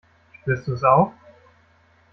Spürst du es auch?